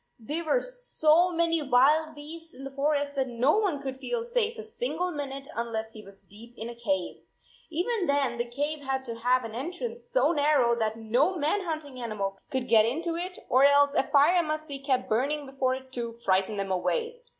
There were so many wild beasts in the forest that no one could feel safe a single minute unless he was deep in a cave. Even then the cave had to have an entrance so narrow that no man hunting animal could get into it, or 23 else a fire must be kept burning before it to frighten them away.